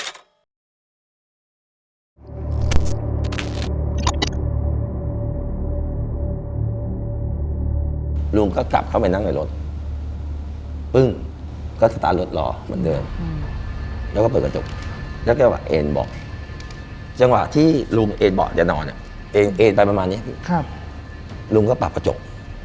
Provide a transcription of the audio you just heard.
ลุงก็กลับเข้าไปนั่งในรถปึ้งก็สตาร์ทรถรอเหมือนเดิมแล้วก็เปิดกระจกแล้วก็เอ็นบอกจังหวะที่ลุงเอ็นเบาะจะนอนเนี่ยเอ็นเอ็นไปประมาณนี้พี่ลุงก็ปรับกระจก